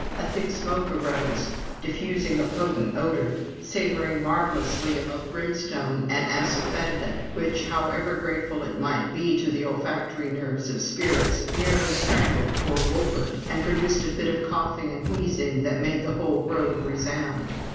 A thick smoke arose, diffusing a potent odor, savoring marvellously of brimstone and assafoetida, which, however grateful it might be to the olfactory nerves of spirits, nearly strangled poor Wolfert, and produced a fit of coughing and wheezing that made the whole grove resound.